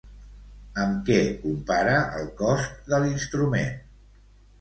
Amb què compara el cost de l'instrument?